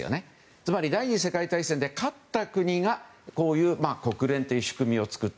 つまり第２次世界大戦で勝った国が国連という仕組みを作った。